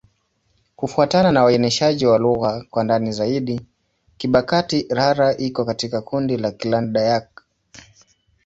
Kufuatana na uainishaji wa lugha kwa ndani zaidi, Kibakati'-Rara iko katika kundi la Kiland-Dayak.